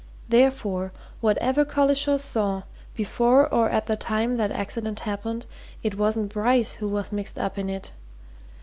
Therefore, whatever Collishaw saw, before or at the time that accident happened, it wasn't Bryce who was mixed up in it.